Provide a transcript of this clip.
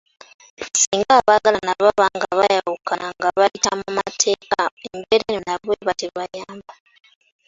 Singa abaagalana baba nga baayawukana nga bayita mu mateeka, embeera eno nabo tebayamba.